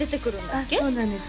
あっそうなんです